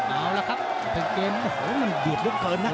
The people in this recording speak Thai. เอาละครับเป็นเกมโอ้โหมันหยุดลูกเผินน่ะ